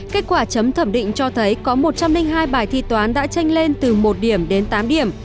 kết quả chấm thẩm định cho thấy có một trăm linh hai bài thi toán đã tranh lên từ một điểm đến tám điểm